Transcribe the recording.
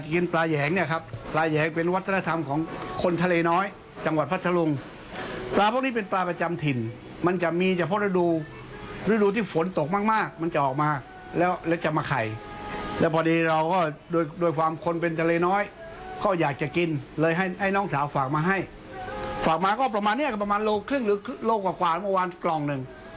ก็ประมาณเนี่ยก็ประมาณโลครึ่งหรือโลกกว่ากว่าเมื่อวานกล่องนึง